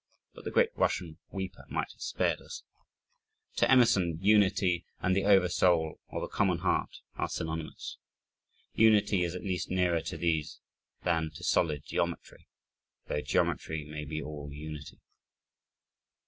But the "great Russian weeper" might have spared us. To Emerson, "unity and the over soul, or the common heart, are synonymous." Unity is at least nearer to these than to solid geometry, though geometry may be all unity.